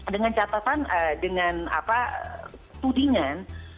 dengan catatan dengan tudingan